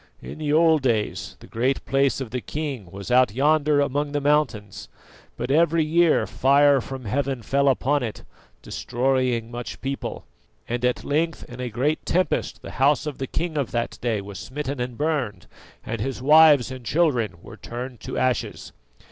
In the old days the Great Place of the king was out yonder among the mountains, but every year fire from heaven fell upon it, destroying much people: and at length in a great tempest the house of the king of that day was smitten and burned, and his wives and children were turned to ashes.